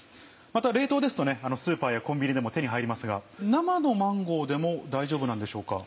また冷凍ですとスーパーやコンビニでも手に入りますが生のマンゴーでも大丈夫なんでしょうか？